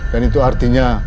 dan itu artinya